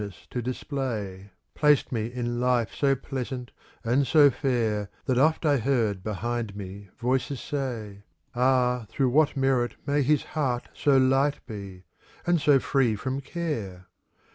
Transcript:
CANZONIERE Placed me in life so pleasant and so fair, That oft I heard behind me voices say, ^° "Ah, through what merit may His heart so light be, and so free from care